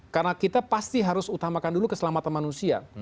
karena kita pasti harus utamakan dulu keselamatan manusia